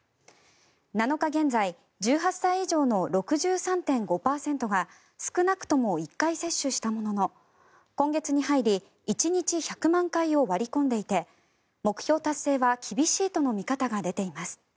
７日現在１８歳以上の６３．５％が少なくとも１回接種したものの今月に入り１日１００万回を割り込んでいて目標達成は厳しいとの見方が出ています。